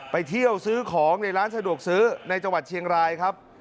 ไปเที่ยวซื้อของในร้านสะดวกซื้อในจังหวัดเชียงรายครับ